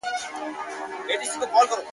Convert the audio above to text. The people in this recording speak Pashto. په يويشتم قرن کي داسې محبت کومه~